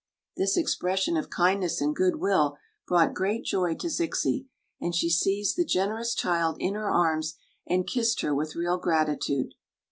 This expression of kindness and good will brought great joy to Zixi, and she seized the generous child in her arms and kissed her with real gratitude.